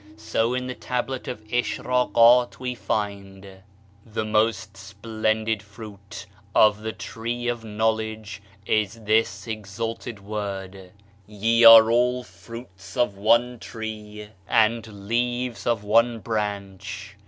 So, in the Tablet of Iskrdqal we find :" The most splendid fruit of the Tree of Knowledge is this exalted Word : Ye are all fruits of one tree and leaves of one branch.